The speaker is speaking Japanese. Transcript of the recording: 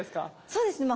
そうですね。